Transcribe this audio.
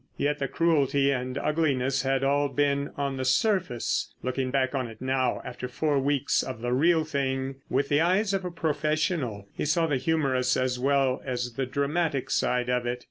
Yet the cruelty and ugliness had all been on the surface. Looking back on it now, after four weeks of the real thing, with the eyes of a professional, he saw the humorous as well as the dramatic side of it.